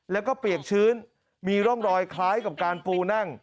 แล้วก็เปียกชื้นมีร่องรอยคล้ายกับการปูนั่ง